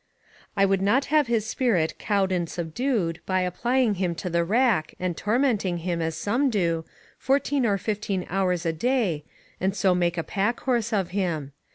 I would not have his spirit cowed and subdued, by applying him to the rack, and tormenting him, as some do, fourteen or fifteen hours a day, and so make a pack horse of him.